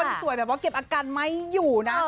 มันสวยแบบว่าเก็บอาการไม่อยู่นะ